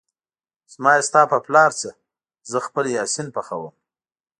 زما يې ستا په پلار څه ، زه خپل يا سين پخوم